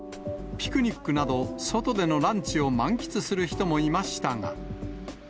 ピクニックなど、外でのランチを満喫する人もいましたが。